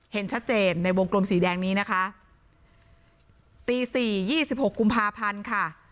เห็นชัดเจนในวงกลมสีแดงนี้นะคะตี๔๒๖กุมภาพันธ์ค่ะ